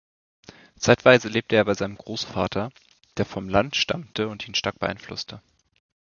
Zeitweise lebte er bei seinem Großvater, der vom Land stammte, und ihn stark beeinflusste.